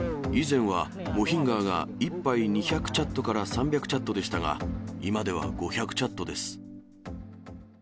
以前は、モヒンガーが１杯２００チャットから３００チャットでしたが、今では５００チャットです。